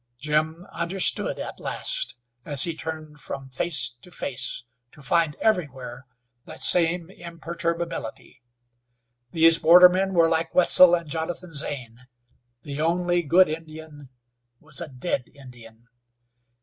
Jim understood, at last, as he turned from face to face to find everywhere that same imperturbability. These bordermen were like Wetzel and Jonathan Zane. The only good Indian was a dead Indian.